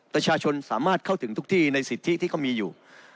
ประชาชนสามารถเข้าถึงทุกที่ในสิทธิที่เขามีอยู่